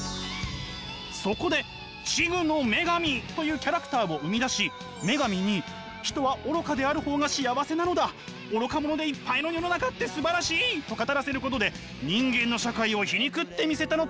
そこで痴愚の女神というキャラクターを生み出し女神に人は愚かである方が幸せなのだ愚か者でいっぱいの世の中ってすばらしい！と語らせることで人間の社会を皮肉ってみせたのです。